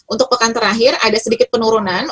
untuk pekan terakhir ada sedikit penurunan